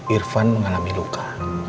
irfan mengalami luka